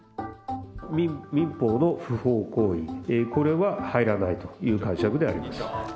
民法の不法行為、これは入らないという解釈でございます。